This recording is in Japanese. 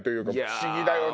不思議だよね！